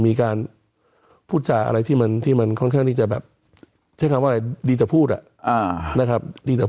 มีการพูดจาอะไรที่มันค่อนข้างที่จะแบบใช้คำว่าอะไรดีแต่พูดนะครับ